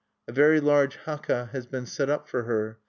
A very large haka(1) has been set up for her.